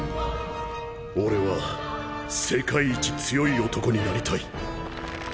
俺は世界一強い男になりたい。